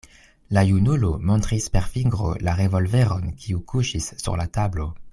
La junulo montris per fingro la revolveron, kiu kuŝis sur la tablo.